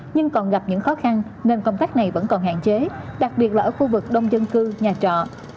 nhưng còn gặp những khó khăn nên công tác này vẫn còn hạn chế đặc biệt là ở khu vực đông dân cư nhà trọ